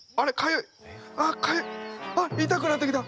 痛くなってきた！